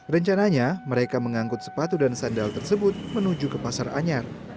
rencananya mereka mengangkut sepatu dan sandal tersebut menuju ke pasar anyar